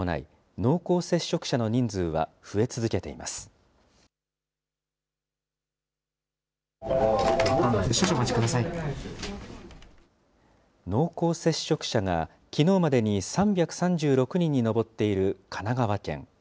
濃厚接触者が、きのうまでに３３６人に上っている神奈川県。